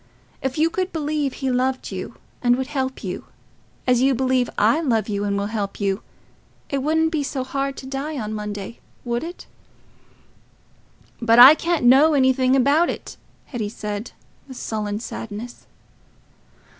If you could believe he loved you and would help you, as you believe I love you and will help you, it wouldn't be so hard to die on Monday, would it?" "But I can't know anything about it," Hetty said, with sullen sadness.